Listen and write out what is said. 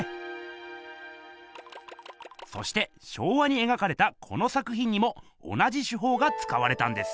そして昭和に描かれたこの作ひんにも同じ手ほうがつかわれたんです。